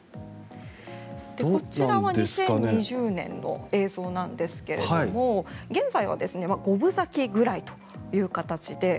こちらは２０２０年の映像なんですが現在は五分咲きくらいという形で。